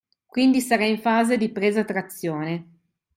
Quindi sarà in fase di presa-trazione.